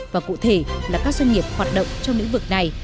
và cụ thể là các doanh nghiệp hoạt động trong lĩnh vực này